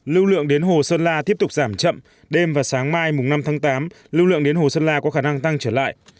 lưu lượng đến hồ sơn la tiếp tục giảm chậm đêm và sáng mai năm tháng tám lưu lượng đến hồ sơn la có khả năng tăng trở lại